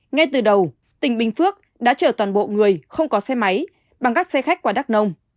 ngay từ đầu tỉnh bình phước đã chở toàn bộ người không có xe máy bằng các xe khách qua đắk nông